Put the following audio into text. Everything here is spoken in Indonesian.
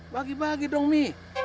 bagi bagi dong umi